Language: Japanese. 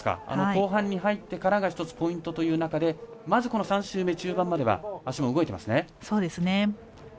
後半に入ってからが１つポイントという中でまず、３周目、中盤までは足は動いてますね。